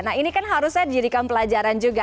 nah ini kan harusnya dijadikan pelajaran juga